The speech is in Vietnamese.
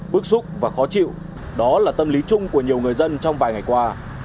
bức xúc và khó chịu đó là tâm lý chung của nhiều người dân trong vài ngày qua